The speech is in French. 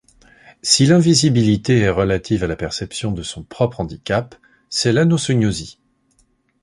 Si l'invisibilité est relative à la perception de son propre handicap, c'est l'anosognosie.